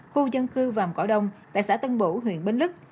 khu dân cư vàm cỏ đông tại xã tân bủ huyện bến lức